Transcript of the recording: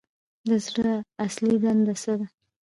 د زړه اصلي دنده څه ده